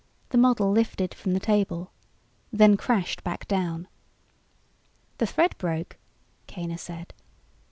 The model lifted from the table then crashed back down. "The thread broke," Kaner said.